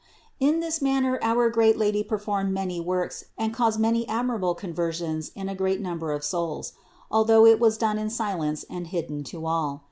258. In this manner our great Lady performed many works and caused many admirable conversions in a great number of souls; although it was done in silence and hidden to all.